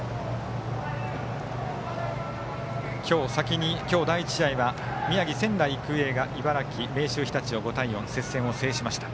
今日第１試合は宮城、仙台育英が茨城、明秀学園日立を５対４接戦を制しました。